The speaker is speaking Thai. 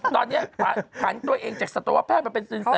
ตอนนี้ผันตัวเองจากสัตวแพทย์มาเป็นสินแส